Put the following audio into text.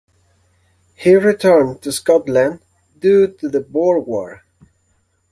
He returned to Scotland due to the Boer War.